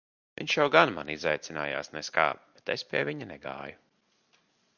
Viņš jau gan mani izaicinājās nez kā, bet es pie viņa negāju.